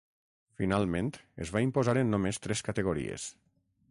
Finalment es va imposar en només tres categories.